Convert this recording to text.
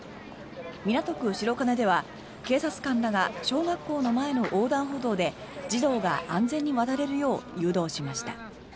港区白金では、警察官らが小学校の前の横断歩道で児童が安全に渡れるよう誘導しました。